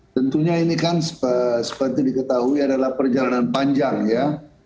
tentunya ini kan seperti diketahui adalah perjalanan panjang ya